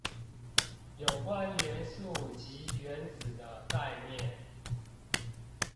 有關元素及原子的概念